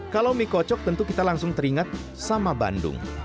kalau mie kocok tentu kita langsung teringat sama bandung